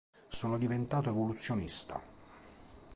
Sono diventato evoluzionista.